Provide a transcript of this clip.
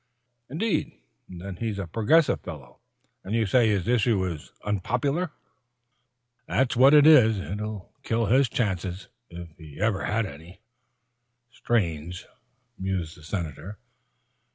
"Indeed. Then he's a progressive fellow. And you say his issue is unpopular?" "That's what it is. It'll kill his chances if he ever had any." "Strange," mused the Senator.